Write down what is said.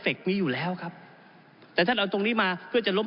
ผมอภิปรายเรื่องการขยายสมภาษณ์รถไฟฟ้าสายสีเขียวนะครับ